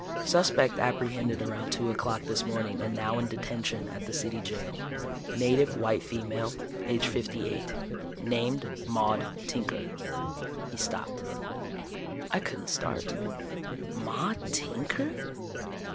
"Suspect apprehended around two o'clock this morning and now in detention at the City Jail. Native white female, age fifty eight. Named Maude Tinker." He stopped. I couldn't start. Maude Tinker!